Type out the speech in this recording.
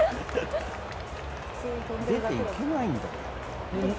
出て行けないんだ。